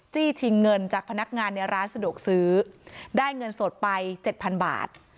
ชิงเงินจากพนักงานในร้านสะดวกซื้อได้เงินสดไปเจ็ดพันบาท